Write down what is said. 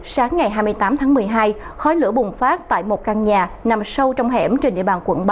sáng ngày hai mươi tám tháng một mươi hai khói lửa bùng phát tại một căn nhà nằm sâu trong hẻm trên địa bàn quận ba